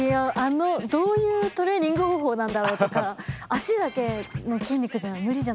どういうトレーニング方法なんだろうとか脚だけの筋肉じゃ無理じゃないですか。